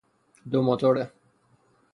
دو موتوره